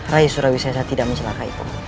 rai surawisesa tidak mencelakai kamu